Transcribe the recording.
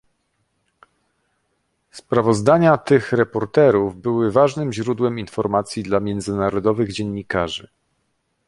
Sprawozdania tych reporterów były ważnym źródłem informacji dla międzynarodowych dziennikarzy